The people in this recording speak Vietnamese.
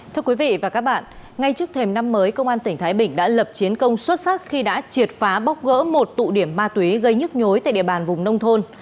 thưa quý vị và các bạn ngay trước thềm năm mới công an tỉnh thái bình đã lập chiến công xuất sắc khi đã triệt phá bóc gỡ một tụ điểm ma túy gây nhức nhối tại địa bàn vùng nông thôn